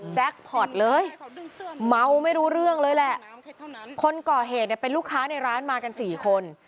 พอร์ตเลยเมาไม่รู้เรื่องเลยแหละคนก่อเหตุเนี่ยเป็นลูกค้าในร้านมากันสี่คน